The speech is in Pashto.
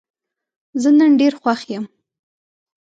زه نن ډېر خوښ یم.